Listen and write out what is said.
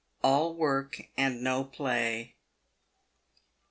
ALL WORK AND NO PLAY.